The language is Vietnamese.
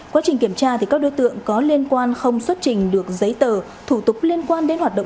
quá trình kiểm tra các đối tượng có liên quan không xuất trình được giấy tờ